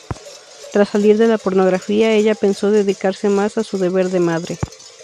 Tras salir de la pornografía, ella pensó dedicarse más a su deber de madre.